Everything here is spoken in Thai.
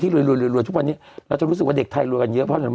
ที่รวยรวยรวยรวยทุกวันนี้เราจะรู้สึกว่าเด็กไทยรวยกันเยอะพ่อเห็นไหม